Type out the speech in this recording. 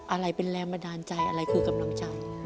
อะไรเป็นแรงบันดาลใจอะไรคือกำลังใจ